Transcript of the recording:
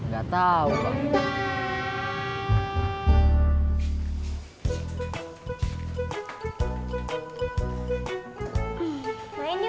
gak tau bang